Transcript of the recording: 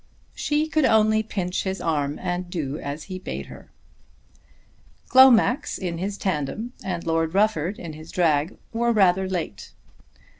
She could only pinch his arm, and do as he bade her. Glomax in his tandem, and Lord Rufford in his drag, were rather late.